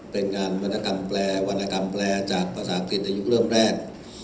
เป็นงานวรรณกรรมแปลวรรณกรรมแปลจากภาษาอังกฤษในยุคเริ่มแรก